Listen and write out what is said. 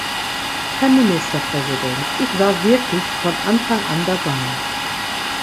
Herr Ministerpräsident, ich war wirklich von Anfang an dabei.